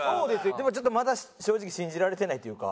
でもちょっとまだ正直信じられてないっていうか。